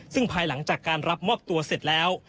ซึ่งภายหลังจากการรับมอบตัวเสร็จแล้ว